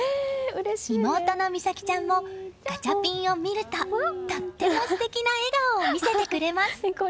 妹の心咲ちゃんもガチャピンを見るととっても素敵な笑顔を見せてくれます！